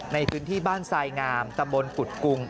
ในพื้นที่บ้านทรายงามตำบลปุดกุง